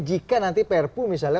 jika nanti perpu misalnya